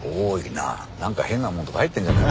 なんか変なもんとか入ってんじゃねえのか？